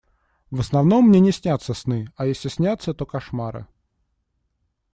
В основном мне не снятся сны, а если снятся, то кошмары.